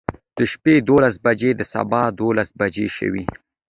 د شپې دولس بجې د سبا دولس بجې شوې.